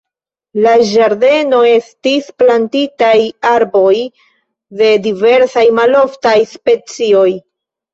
La ĝardeno estis plantitaj arboj de diversaj maloftaj specioj.